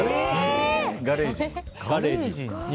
ガレージの。